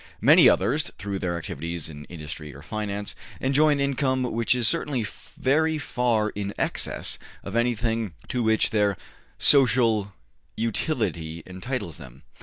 Many others, through their activities in industry or finance, enjoy an income which is certainly very far in excess of anything to which their social utility entitles them.